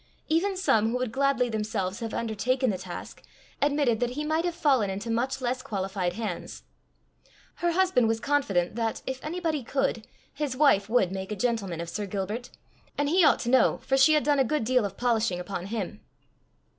Even some who would gladly themselves have undertaken the task, admitted that he might have fallen into much less qualified hands. Her husband was confident that, if anybody could, his wife would make a gentleman of Sir Gilbert; and he ought to know, for she had done a good deal of polishing upon him.